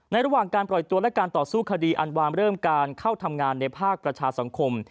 ระหว่างการปล่อยตัวและการต่อสู้คดีอันวามเริ่มการเข้าทำงานในภาคประชาสังคม